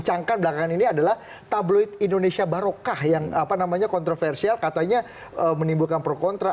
dicangkan belakangan ini adalah tabloid indonesia barokah yang kontroversial katanya menimbulkan pro kontra